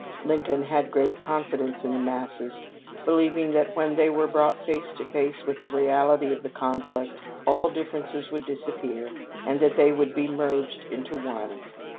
Lincoln had great confidence in the masses, believing that, when they were brought face to face with the reality of the conflict, all differences would disappear, and that they would be merged into one.